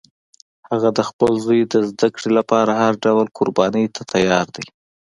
هغه د خپل زوی د زده کړې لپاره هر ډول قربانی ته تیار ده